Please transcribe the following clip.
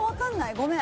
ごめん。